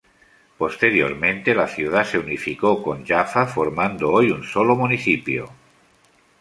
Posteriormente, la ciudad se unificó con Jaffa, formando hoy un solo municipio.